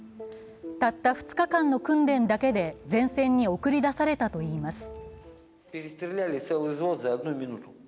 たった２日間の訓練だけで前線に送り出されたといいます。